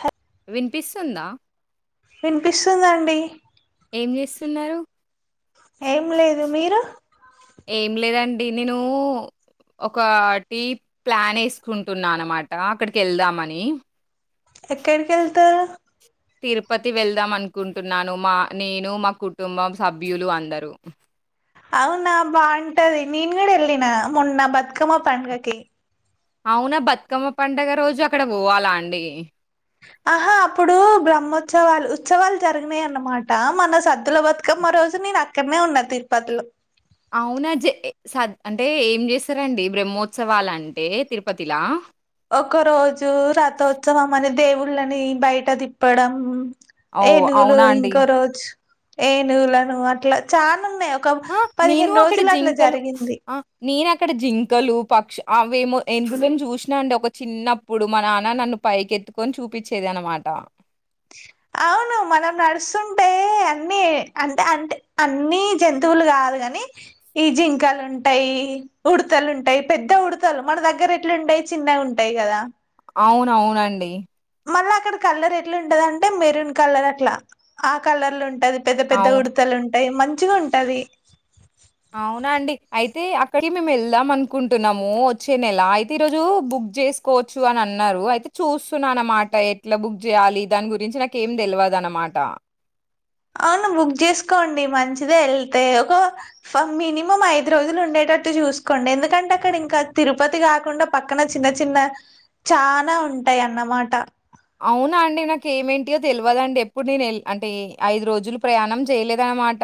హ వినిపిస్తుందా ఇనిపిస్తుందండి ఏం జేస్తున్నారు ఏం లేదు మీరు డి నిను ఒకాటి ప్లాన్ ఎసుకుంటున్నా అనమాట అక్కడ్కెళ్దామని ఎక్కడ్కెల్తరు తిరుపతి వెళ్దాం అనుకుంటున్నాను మా నేను మా కుటుంబం సభ్యులు అందరూ అవునా బాగుంటది నేను గూడా ఏళ్ళిన మొన్న బతుకమ్మ పండ్గకి అవునా బతుకమ్మ పండుగ రోజు అక్కడ పోవాలా అండి ఆహా అప్పుడు బ్రహ్మోత్సవాలు ఉచ్చవాలు జరిగినాయి అన్నమాట మొన్న సద్దుల బతుకమ్మ రోజు నేను అక్కడ్నే ఉన్నా తిరుపతిలో అవునా జ స అంటే ఏం చేస్తారండి బ్రహ్మోత్సవాలు అంటే తిరుపతిలా ఒక్క రోజు రథోత్సవం అని దేవుళ్ళని బయట తిప్పడం ఓహ్! ఏనుగులు అవునా అండి. ఇంకో రోజ్ ఏనుగులను అట్లా చానున్నాయ్ ఆ నేను అక్కడ జింకలు ఆ నేన్ అక్కడ జింకలు పక్ష్ అవేమో ఏనుగులను జూషిన అండి ఒక చిన్నప్పుడు మా నాన్న నన్ను పైకేత్తుకొని చూపించేద న్నమాట అవును మనం నడుస్తుంటే అన్ని అంటే అంటే అన్ని జంతువులు కాదు క కానీ ఈ జింకలు ఉంటాయి, ఉడతలు ఉంటాయి. పెద్ద ఉడతలు మన దగ్గర ఏట్లుండయి చిన్నగుంటాయి గదా అవును అవునండి మళ్ల అక్కడ కలర్ ఎట్లుటదంటే మెరూన్ కలర్ అట్లా ఆ కలర్లు ఉంట పెద్ద పెద్ద అవును ఉడుతలుంటయ్ మంచిగుంటది ఔనఅండి అయితే అక్కడి మేమ్ ఏళ్దాం అనుకుంటున్నము వచ్చే నెల అయితే ఈరోజు బు క్ చేసుకోచ్చు అని అన్నరు అయితే చూస్తున అన్నమాట ఎట్ల బుక్ జెయాలి దాని గురించి నాకేం తెలివ దన్నమాట అవును బుక్ జెసుకోండి మంచిదె ఏళ్తే ఒక ఫ మినిమం ఐదు రోజులు ఉండేట టట్టు చూసుకోండి. ఎందుకంటే అక్కడ ఇంక తిరుపతి కాకుండ పక్కన చిన్న చిన్న చాన ఉంటాయ్ అన్నమాట. అవునా అండి నాక్ ఏమేంటియో తెల్వద్అండి. ఎప్పుడ్ నేను అంటే ఐదు రోజులు ప్రయాణం చేయలేద మాట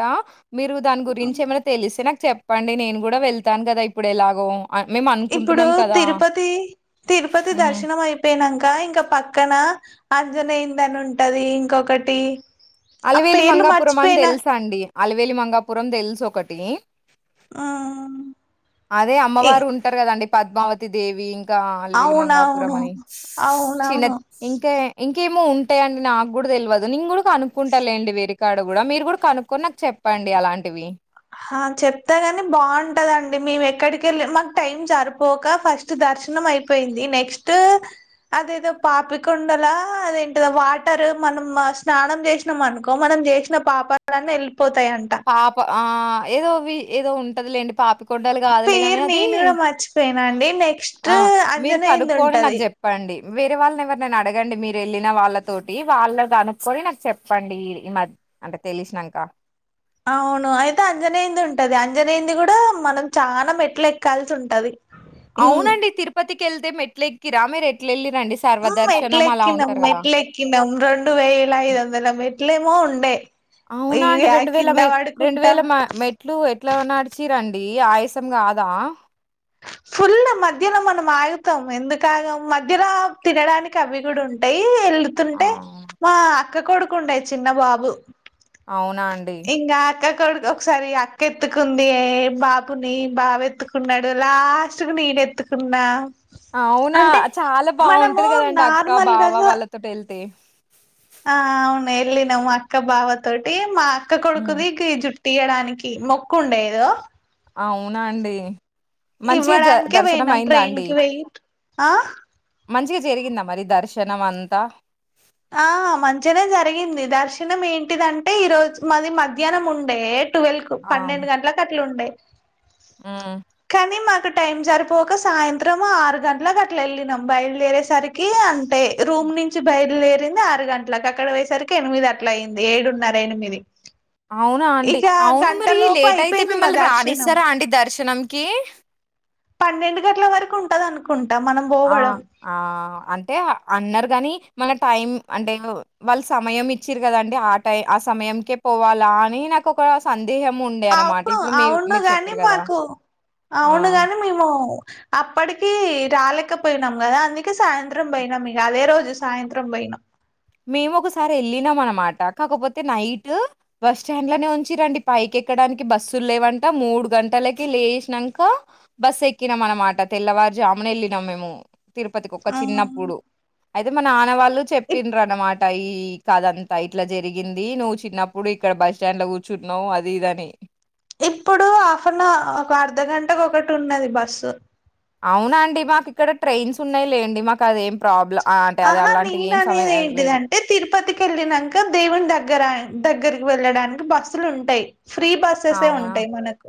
మీరు దాని గురించి ఏమైన తెలిస్తే నాక్ చెప్పండి. నేను గుడ వెళ్తాన్ గద ఇప్పుడు ఎలాగో ఇప్పుడు తిరుపతి తిరుపతి హ్మ్. దర్శనం అయ్పోయిన క ఇంకా పక్కన అంజనేయిందని ఉంటది. ఇంకొకటి ఆ అలివెలి పేర్లు మంగాపురం అని మర్చిపోయినా తెల్స్ అండి. అలివెలి మంగాపురం తెల్స్ ఒకటి. ఆమ్ అదే అమ్మవారు ఉంటరు కదండి పద్మావతి దేవి గ ఆలువెలు మంగాపురం అవునవును అని చిన్న అవునవును ఇంతే ఇ కేమో ఉంటయి అండి నాక్ గుడ తెల్వదు నేన్ గుడ కనుక్కుంట లేండి వేరుకాడ గుడ మీర్ గుడ కనుక్కొని నాక్ చెప్పన్ అండి అలాంటివి ఆ చెప్తగని బావుంటదండి. మేమ్ ఎక్కడికెళ్ళి మాక్ టైం సరిపోక ఫస్ట్ దర్ష్ చ్చినం అయ్పోయింది నెక్స్ట్ అదేదో పాపికొండలా అదేంటిదొ వాటర్ మనం స్నానం చేసినం అనుకొ మనం నం జెశిన పాపాలన్ని ఏల్ పాప ఆ ఏదోవి ఏదో ఉంటదిలేండి పాపిక్ కొండలు గాదులే గని పేరు అది నేను కూడా మర్చిపోయినా అండి నెక్స్ట్ ఆ మీర్ అంజనేయంది కనుక్కొని నాక్ ఉంటది జెప్పండ్ ఇ వేరె వాళ్ళని ఎవరినైన అడ్ గండి మీర్ ఎళ్ళిన వాళ్ళతొటి వాళ్ళ అనుకొని నాక్ చెప్పండి. ఈ మ అంటే తెలిశ్నంక ఔను అయితే అంజనేంది ఉంటది. అంజనేయంది గుడ మనం చాన మెట్ల్ ఎక్కాల్స్ ఉంటది. ఉమ్ అవునండి తిరుపతికి ఎళ్తే మెట్ల్ ఎక్కిర మీరు ఎట్లెలి ఉమ్ మెట్లెకినం మెట్లెకినం రెండువేల ఐదువందల మెట్ ట్లేమో ఉండే ఇగ ఔనఅండి రెండువెల కింద మె రెండు పడుకుంటాం వేల మ మెట్లు ఎట్ల నడిచిర్రండి డి ఆయ్సం గాద [inaudible] ఫుల్ మధ్యలొ మనం ఆగుతం. ఎందుకు ఆగం మధ్యల తినడానికి అవి గుడ ఉంటయ్. కి వెళ్ళుతుంటే అవునా? మా అక్క కొడుకుఉండే చిన్న బాబు అవునా అండి? ఇంగాక కొడుక్ ఒక్సారి అక్క ఎత్తుకుంది బాబుని బావ ఎత్తుకున్నడు. లాస్ట్కు నేన్ ఎత్తుకున్నా ఔన అంటే చాలా మనము బావుంటది గదండి అక్క నార్మల్గా బావ వాళ్ళతొటి ఏళ్తే ఆ ఔన్ ఏళ్లినం అక్క బావ తొటి మా అక్క హ్మ్. కొడుకుది గి జుట్ తియడానికి మొక్కు ఉండే ఎదొ ఔనా అండి మంచి జ ఇవ్వడానికే దర్శనం పోయినాం అయింద ట్రైన్ అండి. కి పోయి ఆ మంచిగ జరిగింద మరి దర్శనం అంతా ఆ మంచనే జరిగింది. దర్శనం ఏంటిదంటే ఈరోజ్ మది మధ్యానం ఉండే టువెల్క్ పన్నెండు గట్లక్ అట్ల ఉండె ఉ క్ టైం సరిపోక సాయంత్రం ఆరు గంట్లక అట్ల ఎళ్ళినం. బయలుదేరేసరికి అంటే రూమ్ మ్ నుంచి బయలుదేరింది. ఆరు గంట్లక్ అక్కడ పోయేసరికి ఎనిమిది అట్ల అయింది. ఏడున్నర ఎనిమిది ఔన అండి ఇక ఔను గంట మరి లోపు లేట్ అయితే అయిపోయింది మా మిమ్మల్ని దర్శనం రానిస్తరా అండి దర్శనంకి పన్నెండు గంటల వరకు ఉంటది అనుకుం ఆ ఆ అంటే అన్నార్గాని మన టైం అంటే వాళ్ళు సమయం ఇచ్చిరుకదండి ఆ టైం ఆ సమయంకే పోవాలా అని నాకు ఒక సం అవును అవును గాని గదా! మాకు అవును ఆ! గాని మేము అప్పటికి రాలేకపోయినాం కదా. అందుకే సాయంత్రం పోయినం. ఇగ అదే రోజు సాయంత్రం పోయి ఆ మేము ఒకసారి వెళ్లినం అనమాట కాకపోతే నైట్ బస్ స్టాండ్ లోనే ఉంచి రండి పైకి ఎక్కడానికి బస్సు లేవంట మూడు గంటలకి లేషినంక బస్సు ఎక్కినం అనమాట తెల్ల వారుజామున ఎళ్ళినము మేము. తిరుపతికి ఒక చిన్నప్పుడు అయితే మా నాన్నవాళ్ళు చెప్ యి కథంతా ఇట్లా జరిగింది. నువ్వు చిన్నప్పుడు ఇక్కడ బస్టాండ్ లో కూర్చున్నావు అది ఇదని. ఇప్పుడు హాఫ్ అన్ అవ ఒక అర్ధగంటకు ఒకటి ఉన్నది బస్సు అవున అండి మాకు ఇక్కడ ట్రైన్స్ ఉన్నాయి లేండి. మాకు అదేం ప్రాబ్ల అహా నేన అనేది ఏంటిదంటే తిరుపతికి ఎల్లినంక దేవుని దగ్గర దగ్గరికి వెళ్ళడానికి బస్సులు ఉంటాయి ఫ్రీ బస్సెస్ అవునా ఉంటాయి మనకు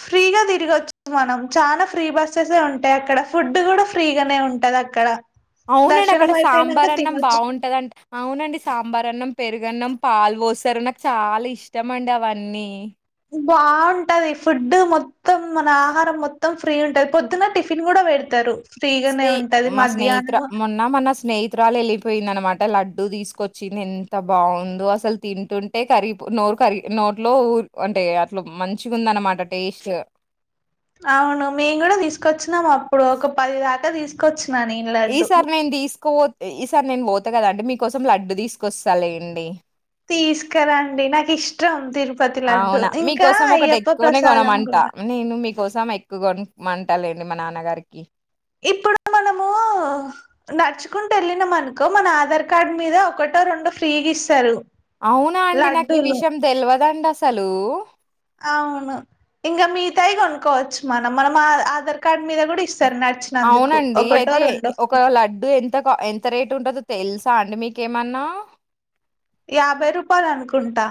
ఫ్రీగా తిరిగచ్చు మనం చాలా ఫ్రీ బస్సెస్ ఉంటాయి. అక్కడ ఫుడ్ కూడా ఫ్రీగానే ఉంటది అక్కడ. అవునండి దర్శనం అక్కడ అయిపోయినంక సాంబార్ అన్నం తినొచ్చు బాగుంటంది అంట అవునండి సాంబార్ అన్నం పెరుగన్నం పాలు పోసారు నాకు చాలా ఇష్టం అండి అవన్నీ బావుంటది ఫుడ్ మొత్తం మన ఆహారం మొత్తం ఫ్రీ ఉంటది. పొద్దున్న టిఫిన్ కూడా వెడతరు. స్ని మా స్నేహిత్ర మొన్న మన స్నేహి తురాలు వెళ్ళిపోయింది అనమాట. లడ్డు తీసుకొచ్చింది. ఎంత బాగుందో అసలు తింటుంటే కరి పొ నో కర్రీ నోట్లో ఉ అంటే అట్ల మంచిగ ఉందనమాట టేస్ట్ అవును మేము కూడా తీసుకొచ్చినాము అప్పుడు ఒక పది దాకా తీసుకొచ్ ఈసారి మేమ్ తీసుకపోతే ఇస్ సరి నేను పోత కదా అండి మీకోసం లడ్డు తీసుకొస్తాలెండి. తీసుకరండి నాకు ఇష్టం తిరు అవునా మీకోసం ఒకటి ఎక్కువనే ప్రసాదం కొనమంటా. కూడా నేను మీకోసం ఎక్ ఎక్కు కొంమంటలెండి మా నాన్నగారికి ఇప్పుడు మనము ము నడుచుకుంటూ వెళ్ళినం అనుకో మన ఆధార్ కార్డ్ మీద ఒకటో రెండో ఫ్రీగ ఇస్తరు. అవునా అండి నాకు ఈ విషయం తెల్వదండి అసలు. అవును ఇంగ మిగితావి కొనుక్కోవచ్చు. మనం మన ఆధార్ కార్డ్ మీద కూడా ఇస్ అవునండి అయితే ఒక ఫ్రీ లడ్డు ఎంత క ఎంత రేటు ఉంటది తెలుసాండి మీకేమన్నా యాభై రూపాయలు అనుకుంటా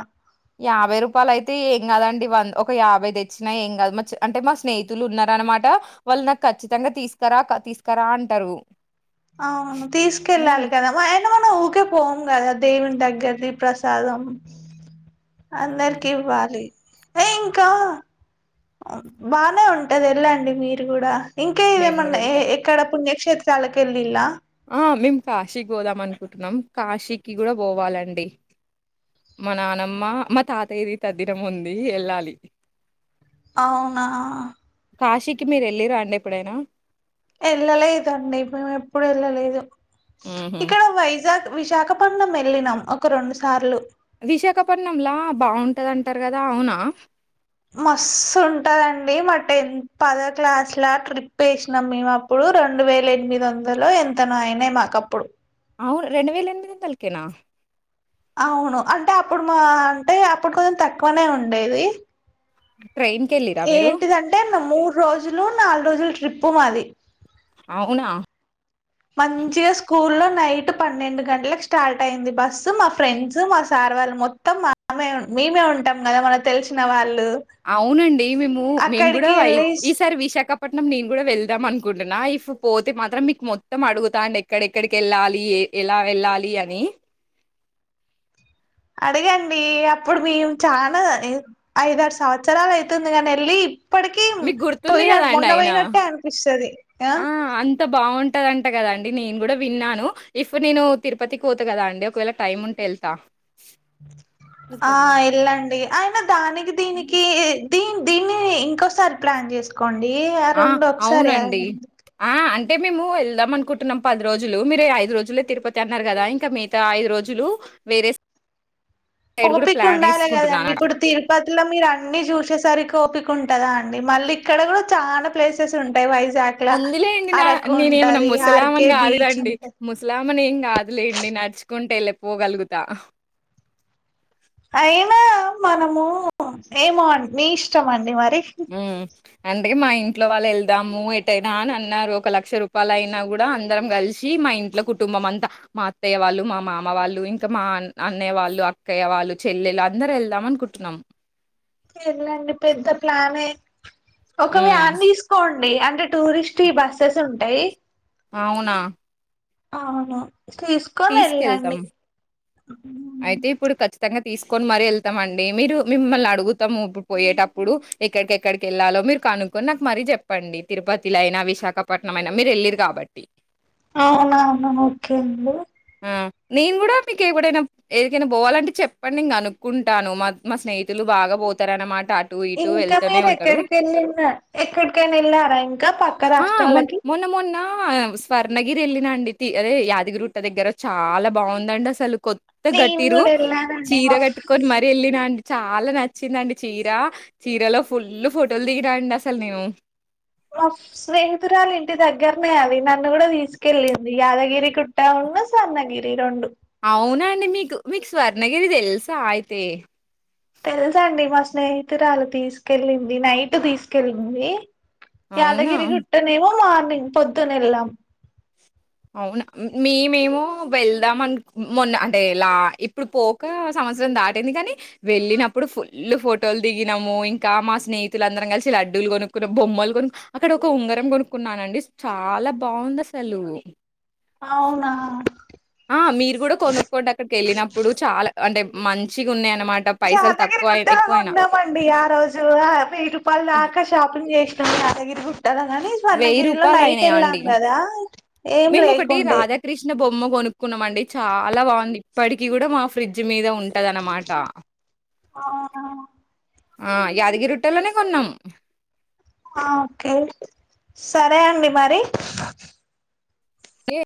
యాభై రూపాయల అయితే ఏం కాదండి. వంద ఒక యాభై తెచ్చినా ఏం కాదు. మ అంటే మా స్నేహితులు ఉన్నారు. అనమాట వాళ్ళు నాకు కచ్చితంగా తీసుకరా తీసుకరా అంటారు. అవును తీసుకెళ్ళాలి హ్మ్. కదా మై మనం ఊకెపోం కదా దేవుని దగ్గరిది ప్రసాదం హ్మ్. అందరికి ఇవ్వాలి ఏ ఇంకా బానే ఉంటది వెళ్ళండి మీరు కూడా ఇంకే మేము గూడా ఇదేమన్నా ఆ ఎళ్తాం. ఎక్కడ పుణ్య క్షేత్రలకి ఎల్లిలా ఆ మేము కాశీకి పోదాం అనుకుంటున్నాం. కాశీకి కూడా పోవాలండి. మా నానమ్మ మా తాతయ్యది తద్దినం ఉంది వెళ్ళాలి. అవునా కాశీకి మీరు ఏళ్ళిరా అండి ఎప్పుడైనా ఇప్పుడు వెళ్ళలేదు హుహు. ఇక్కడ వైజాగ్ విశాఖపట్నం వెళ్ళినాం ఒక రెండు సార్లు విశాఖపట్నంలా బాగుంటదంటారు కదా అవునా మస్తు ఉంటదండి మా టెన్ పదో క్లాస్ ల ట్రిప్ ఎసినాం మేము అప్పుడు రెండు వేల ఎనిమిదొందలో ఎంతనో ఐనయ్ మాకప్పుడు అవ్ రెండు వేల ఎన్మిది వొందల్కేనా అవును అంటే అప్పుడు మా అంటే అప్పుడు కొంచెం తక్కువనే ఉండేది ట్రైన్‌కెళ్ళిర్రా మీరు? ఏంటిదంటే నా మూ రోజులు నాలుగు రోజులు ట్రిప్పు మాది అవునా మంచిగా స్కూల్లో నైట్ పన్నెండు గంటలకు స్టార్ట్ అయింది బస్సు మా ఫ్రెండ్స్ మా సార్ సార్ వాళ్ళు మొత్తం మానమే మేమే ఉంటాం గదా మన తెల్సిన వాళ్ అవునండి మేము మేం గూడా వెళ్ళి ఈసారి విశాఖపట్నం నేను గూడా వెళ్దాం మన్ కుంటున్నా ఇఫ్ పోతే మాత్రం మీకు మొత్తం అడుగుతా అండి ఎక్కడెక్కడికెళ్ళాలి ఏ ఎలా వెళ్ళాలి అని అడగండి అప్పుడు మేము చానా ఐదారు సంవత్సరాలైతుంది గానెళ్ళి ప్పడికి మీకు గుర్తుంది పోయినా గదండీ మొన్న ఆయన. పోయ్నాట్టే అనిపిస్తది ఆ ఉంటదంట గదండి నేను గూడా విన్నాను ఇఫ్ నేను తిరుపతికి వోత కదాండి ఒకవేళ టైముంటేళ్తా ఆ ఎళ్ళండి ఐనా దానికి దీనికి దీన్ దీన్ని ఇంకోసారి ప్లాన్ జేస్కోండి ఆ రెండు ఒకసారే ఆ! అంటే మేము ఎళ్దాం అనుకుంటున్నాం పద్రోజులు మీరే ఐదు రోజులే తిరుపతి అన్నారు గదా ఇంక మిగతా ఐదు రోజులు వేరే స్ ఒపికుండాలే గదండి ఇప్పుడు తిరుపతిల మీరన్ని జూసేసరికి ఓపిక్ కుంటదాండి మళ్ళీక్కడ గూడా చాలా ప్లేసెస్ ఉంటయ్ వైజ ఉందిలేండి నా నేనేమన్నా ఆర్కే ముసలామెన్ గాదు బీచ్ రండి ఉంటది ముసలామెన్ ఏం గాదులేండి నడ్ చ్ కుంటేళ్ళి పోగల్గుతా అయినా మనము ఏమో మీ ఇష్టమండి మర్ మ్ అండుకే మా ఇంట్లో వాళ్ళేళ్దాము ఏటైనా అనన్నారు ఒక లక్ష రూపాయలైనా గూడా అందరం గల్శి మా ఇంట్లో కుటుంబమంతా మా అత్తయ్య వాళ్ళు మా మామ వాళ్ళు ఇంకా మా ఆన్ అన్నయ్య వాళ్ళు అక్కయ్య వాళ్ళు చ్ చెల్లెలందరెళ్దాం అనుకుంటున్నం ఎల్లండి పెద్ద ప్లానే ఒక హ్మ్. వ్యాన్ దీస్కోండ్ ండి అంటే టూరిస్ట్యి బస్సెస్ ఉంటయ్ అవునా అవును తీసుకొని వెళ్ళండి తీసుకెళ్తాం అయితే ఇప్పుడు ఖచ్చితంగా తీస్కొని మరీ ఎళ్తామండి మీరు మిమ్మల్ని అడుగుతాం పోయేటప్పుడు ఎక్కడికెక్కడికి ఎళ్ళాలో మీర్ కనుక్కొని నాకు మరీ జెప్పండి తిరుపతిలైనా విశాఖపట్నం అయినా మీరెళ్ళిర్రు కాబట్టి అవునా అవును ఒకే అండి అ నేను గూడా మీకు ఎకడైనా ఎడికైనా పోవాలంటే చెప్పండి నేన్ కనుక్కుంటాను మా మా స్నేహితులు బాగా బొతరన్నమాట్ ఇంకా మీరు ఎక్కడికెళ్ళిన ఎక్కడికైనా ఎళ్ళారా ఇంకా పక్క ఆ మొన్ రాష్ట్రాలకి మొన్న మొన్న ఆ స్వర్ణగిరి ఎళ్ళినండి తి అదే యాదగిరిగుట్ట దగ్గర చాలా బాగుందండి అసలు కొత్త నేను గట్టిర్రు కూడా వెళ్ళానండి చీర మా కట్టుగొని ఫ్రె- మరీ ఎల్లినండి చాలా నచ్చిందండి చీరా చీరలో ఫుల్ ఫోటోలు దిగినండి అసల్ నేను మా స్నేహితురాలి ఇంటి దగ్గర్నే అది నన్ను గూడా తిస్కెళ్ళింది యాదగిరిగుట్ట ఉన్ను స్వర్ణగిరి రొండు అవునండి మీకు మీకు స్వర్ణగిరి తెల్సా అయితే తెల్సండి మా స్నేహితురాలు తీసుకెళ్ళింది నైటు తీస్కెళ్ళింది అవునా యాదగిరి గుట్టనేమో మార్నింగ్ పొద్దునెళ్ళాం అవునా మీమేమో వెళ్దామన్ మొన్న అంటే లా ఇప్పుడు పోక సంవ్ సంవత్సరం దాటింది గనీ వెళ్ళినప్పుడు ఫుల్లు ఫోటోలు దిగినాము ఇంకా మా స్నేహితులు అందరం కలిసిలా డ్డులు గొనుక్కున్న బొమ్మలు గొనుక్ అక్కడ ఒక ఉంగరం గొనుక్కున్నానండి చాలా బావుందసలు అవునా ఆ మీరు కూడా కొనుక్కోండి అక్కడికేళ్ళినప్పుడు చాలా అంటే మంచిగా ఉన్నాయన్ యాదగిరి గుట్టలో కోణం అండి ఆ రోజు వేయిరుపాల్ దాకా షాపింగ్ చేస్ త్ యాదగిరిగుట్ ట్టలా గాని రూ. స్వర్ణగిరిలో నైట్ అయినాయా వెళ్ళాం అండి. కదా ఏం లేకుండే మ్మ కొనుక్కున్నామ అండి చాలా బాగుంది ఇప్పడికీ కూడా మా ఫ్రిడ్జ్ బ్రిడ్జ్ మీద ఉంటదన్నమాట అవునా ఆ యాదగిరిగుట్టలోనే కొన్నాం ఆ ఓకే సరే అండి మరి ఏ